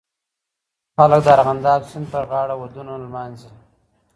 خلک د ارغنداب سیند پرغاړه ودونه لمانځي.